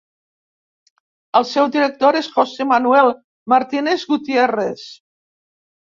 El seu director és José Manuel Martínez Gutiérrez.